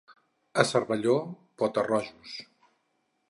A Cervelló pota-rojos.